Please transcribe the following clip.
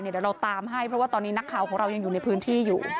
เดี๋ยวเราตามให้เพราะว่าตอนนี้นักข่าวของเรายังอยู่ในพื้นที่อยู่